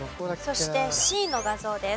そしてＣの画像です。